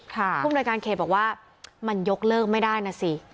คุณบริการเขมบอกว่ามันยกเลิกไม่ได้นะสิ